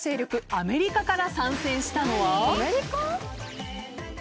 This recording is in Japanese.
アメリカから参戦したのは。